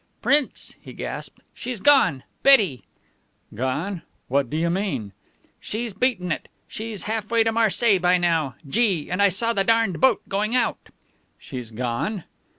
"Prince," he gasped, "she's gone. Betty!" "Gone! What do you mean?" "She's beaten it. She's half way to Marseilles by now. Gee, and I saw the darned boat going out!" "She's gone!"